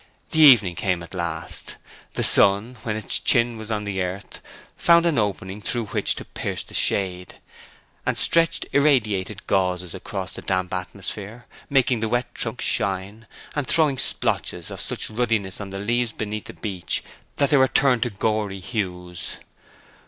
The evening came at last; the sun, when its chin was on the earth, found an opening through which to pierce the shade, and stretched irradiated gauzes across the damp atmosphere, making the wet trunks shine, and throwing splotches of such ruddiness on the leaves beneath the beech that they were turned to gory hues.